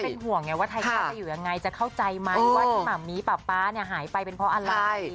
เป็นห่วงไงว่าไทยเข้าไปอยู่ยังไงจะเข้าใจมั้ยว่าที่หม่ามีป๊าป๊าหายไปเป็นเพราะอะไร